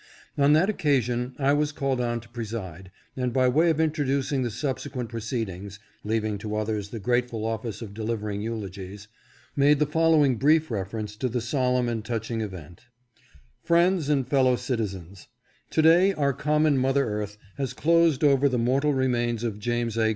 On that occasion I was called on to preside, and by way of introducing the subsequent proceedings (leaving to others the grate ful office of delivering eulogies), made the following brief reference to the solemn and touching event :" Friends and fellow citizens : To day our common mother Earth has closed over the mortal remains of James A.